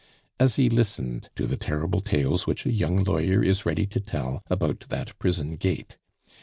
Asie listened to the terrible tales which a young lawyer is ready to tell about that prison gate.